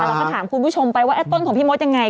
เราก็ถามคุณผู้ชมไปว่าต้นของพี่มดยังไง